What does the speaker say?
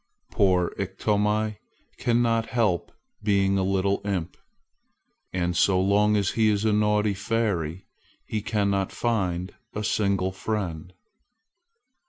Poor Iktomi cannot help being a little imp. And so long as he is a naughty fairy, he cannot find a single friend.